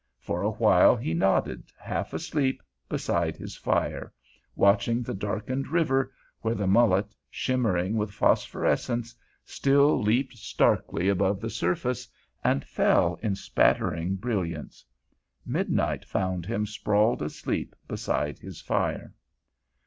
For a while he nodded, half asleep, beside his fire, watching the darkened river, where the mullet, shimmering with phosphorescence, still leaped starkly above the surface, and fell in spattering brilliance. Midnight found him sprawled asleep beside his fire.